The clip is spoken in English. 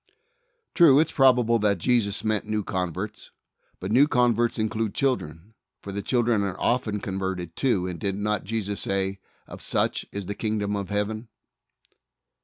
True, it is probable that Jesus meant new converts, but new con verts include children, for the children are often converted, too, and did not Jesus say, "Of such is the Kingdom of Heaven"?